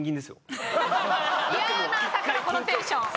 嫌やな朝からこのテンション。